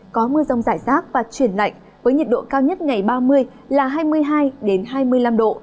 có mưa rông rải rác và chuyển lạnh với nhiệt độ cao nhất ngày ba mươi là hai mươi hai hai mươi năm độ